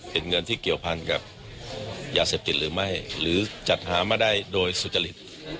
เป็นเงินที่เกี่ยวพันกับยาเสพติดหรือไม่หรือจัดหามาได้โดยสุจริต